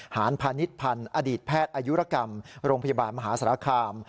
รพาณิชพันธ์อดีตแพทย์อายุรกรรมโรงพยาบาลมหาสารคาม